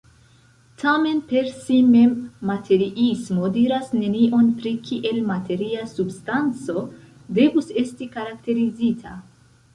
Tamen, per si mem materiismo diras nenion pri kiel materia substanco devus esti karakterizita.